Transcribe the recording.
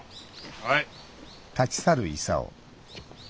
はい。